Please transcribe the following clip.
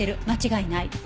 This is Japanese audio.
間違いない。